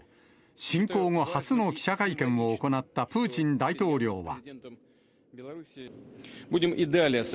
侵攻後初の記者会見を行ったプーチン大統領は。